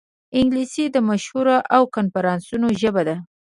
انګلیسي د مشورو او کنفرانسونو ژبه ده